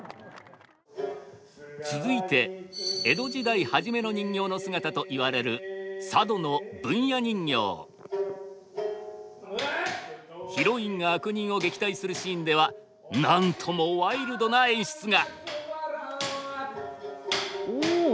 続いて江戸時代初めの人形の姿といわれる佐渡のヒロインが悪人を撃退するシーンではなんともワイルドな演出が。